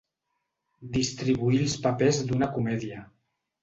Distribuir els papers d'una comèdia.